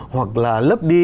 hoặc là lấp đi